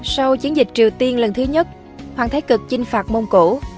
sau chiến dịch triều tiên lần thứ nhất hoàng thái cực chinh phạt mông cổ